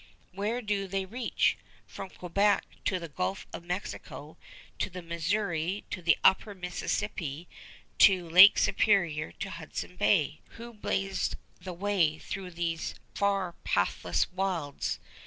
Where do they reach? From Quebec to the Gulf of Mexico, to the Missouri, to the Upper Mississippi, to Lake Superior, to Hudson Bay. Who blazed the way through these far pathless wilds?